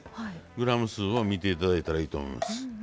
グラム数を見て頂いたらいいと思います。